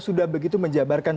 sudah begitu menjabarkan